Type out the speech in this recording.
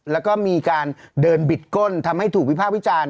แล้วก็มีการเดินบิดก้นทำให้ถูกวิภาควิจารณ์